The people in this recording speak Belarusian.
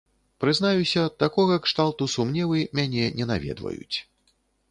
Прызнаюся, такога кшталту сумневы мяне не наведваюць.